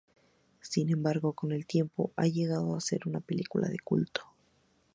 Sin embargo, con el tiempo ha llegado a ser una película de culto.